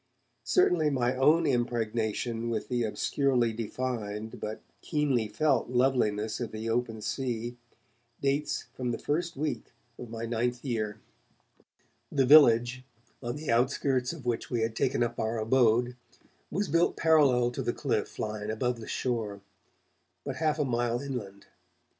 Certainly my own impregnation with the obscurely defined but keenly felt loveliness of the open sea dates from the first week of my ninth year. The village, on the outskirts of which we had taken up our abode, was built parallel to the cliff line above the shore, but half a mile inland.